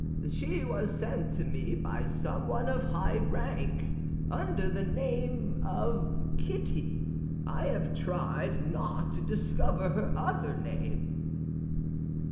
"She was sent to me by someone of high rank, under the name of Kitty. I have not tried to discover her other name."